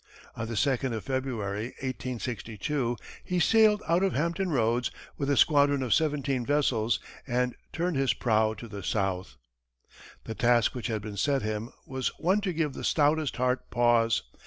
On the second of February, 1862, he sailed out of Hampton Roads with a squadron of seventeen vessels, and turned his prow to the south. The task which had been set him was one to give the stoutest heart pause.